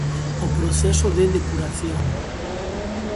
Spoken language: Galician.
O proceso de depuración.